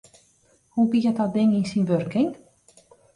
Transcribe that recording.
Hoe giet dat ding yn syn wurking?